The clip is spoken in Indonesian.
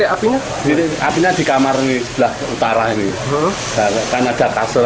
api di kamar utara karena ada kasur